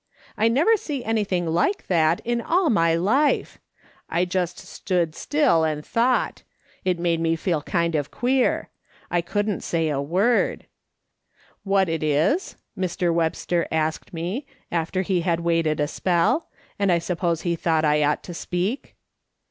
I never see any thing like that in all my life ! I just stood still and thought ; it made me feel kind of queer. I couldn't say a word. ' What it is V Mr. Webster asked me, after he had waited a spell, and I suppose he thought I ought to speak.